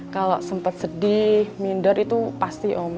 kalau sempat sedih minder itu pasti om